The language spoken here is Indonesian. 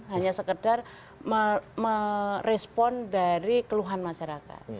hanya sekedar merespon dari keluhan masyarakat